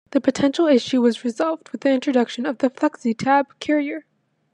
The potential issue was resolved with the introduction of the "Flexi Tab" carrier.